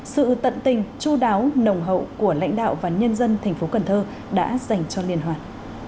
cảm ơn sự tận tình chú đáo nồng hậu của lãnh đạo và nhân dân thành phố cần thơ đã dành cho liên hoàn